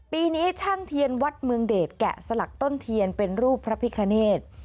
ปีนี้ช่างเทียนวัดเมืองเดชแกะสลักต้นเทียนเป็นรูปพระพิคเนธ